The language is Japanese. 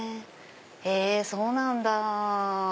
へぇそうなんだ。